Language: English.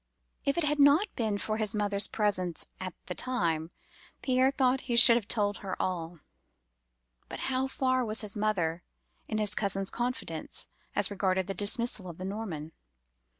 If it had not been for his mother's presence at the time, Pierre thought he should have told her all. But how far was his mother in his cousin's confidence as regarded the dismissal of the Norman?